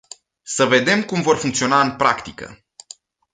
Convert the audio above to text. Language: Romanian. Să vedem cum vor funcționa în practică.